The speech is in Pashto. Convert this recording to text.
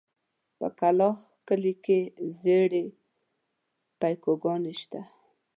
په کلاخ کلي کې زړې پيکوگانې شته.